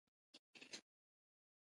بیا رغونې او ساتنې ته ځانګړې پاملرنه وشي.